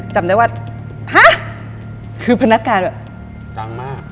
จำได้ว่าฮะคือพนักการแบบ